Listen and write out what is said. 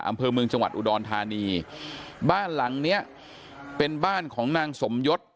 อำเภอเมืองจังหวัดอุดรธานีบ้านหลังเนี้ยเป็นบ้านของนางสมยศ